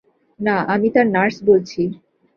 না, আমি তার নার্স বলছি।